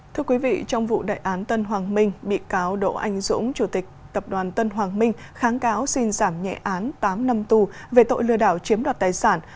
thưa quý vị trong vụ đại án tân hoàng minh bị cáo đỗ anh dũng chủ tịch tập đoàn tân hoàng minh kháng cáo xin giảm nhẹ án tám năm tù về tội lừa đảo chiếm đoạt tài sản